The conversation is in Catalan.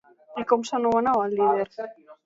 I com s'anomenava el líder?